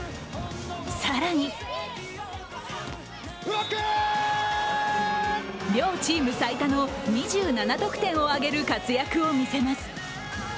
更に両チーム最多の２７得点を挙げる活躍を見せます。